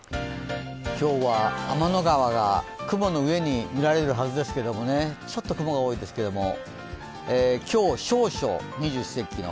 今日は天の川が雲の上に見られるはずですけどもね、ちょっと雲が多いですけども、今日、小暑、二十四節気の。